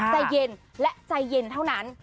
ใจเย็นและใจเย็นเท่านั้น